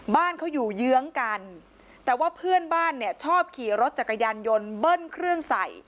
บ้านเขาอยู่เยื้องกันแต่ว่าเพื่อนบ้านเนี่ยชอบขี่รถจักรยานยนต์เบิ้ลเครื่องใส่